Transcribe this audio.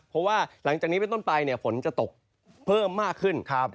เพราะว่าหลังจากนี้เป็นต้นไปฝนจะตกเพิ่มมากขึ้น